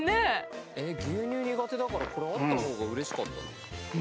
牛乳苦手だからこれあった方がうれしかったな。